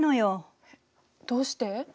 どうして？